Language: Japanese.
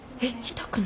痛くない。